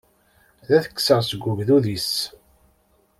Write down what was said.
Ad t-kkseɣ seg ugdud-is.